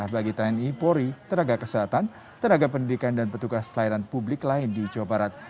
bagi tni polri tenaga kesehatan tenaga pendidikan dan petugas layanan publik lain di jawa barat